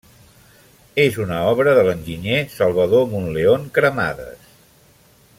És una obra de l'enginyer Salvador Monleón Cremades.